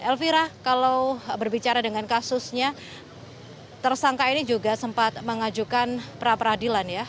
elvira kalau berbicara dengan kasusnya tersangka ini juga sempat mengajukan pra peradilan ya